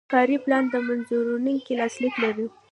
کاري پلان د منظوروونکي لاسلیک لري.